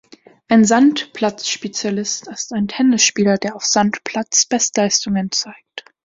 Ein Sandplatzspezialist ist ein Tennisspieler, der auf Sandplatz Bestleistungen zeigt.